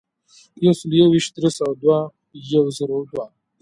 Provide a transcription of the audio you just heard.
یو سلو یو ویشت ، درې سوه دوه ، یو زرو دوه.